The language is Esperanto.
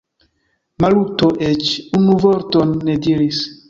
Maluto eĉ unu vorton ne diris.